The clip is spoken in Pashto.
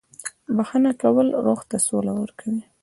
• بښنه کول روح ته سوله ورکوي.